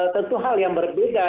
tentu hal yang berbeda